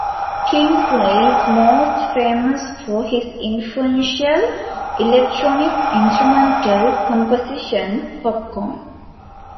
Kingsley is most famous for his influential electronic instrumental composition "Popcorn".